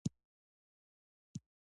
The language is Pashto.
او مرکزيت ماتول دي،